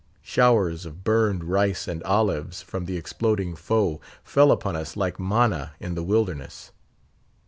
Showers of burned rice and olives from the exploding foe fell upon us like manna in the wilderness.